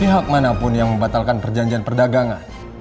pihak mana pun yang membatalkan perjanjian perdagangan